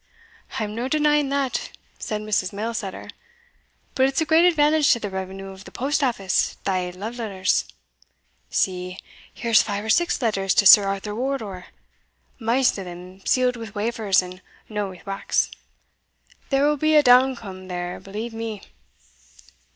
"I'm no denying that," said Mrs. Mailsetter; "but it's a great advantage to the revenue of the post office thae love letters. See, here's five or six letters to Sir Arthur Wardour maist o' them sealed wi' wafers, and no wi' wax. There will be a downcome, there, believe me."